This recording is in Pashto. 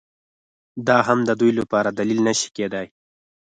دا هم د دوی لپاره دلیل نه شي کېدای